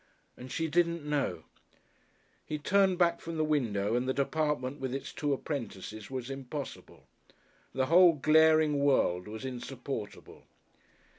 And she didn't know! He turned back from the window and the department with its two apprentices was impossible. The whole glaring world was insupportable.